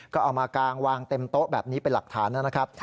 ก็เอามากางวางเต็มโต๊ะแบบนี้เป็นหลักฐานนะครับ